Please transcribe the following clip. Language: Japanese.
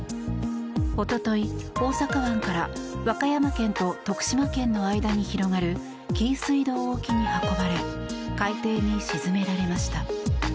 おととい、大阪湾から和歌山県と徳島県の間に広がる紀伊水道沖に運ばれ海底に沈められました。